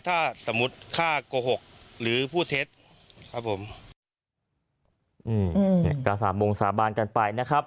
ถ้าสมมุติข้ากโกหกหรือผู้เซ็ตครับผมอืมอืมกาสามวงสาบานกันไปนะครับ